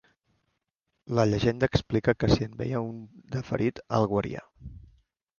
La llegenda explica que si en veia un de ferit el guaria.